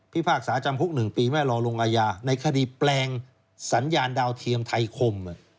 พากษาจำคุก๑ปีไม่รอลงอาญาในคดีแปลงสัญญาณดาวเทียมไทยคม